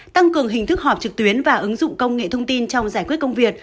tăng cường hình thức họp trực tuyến và ứng dụng công nghệ thông tin trong giải quyết công việc